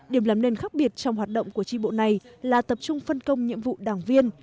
điểm làm nên khác biệt trong hoạt động của tri bộ này là tập trung phân công nhiệm vụ đảng viên